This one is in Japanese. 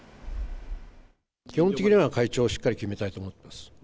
基本的には会長をしっかり決めたいと思います。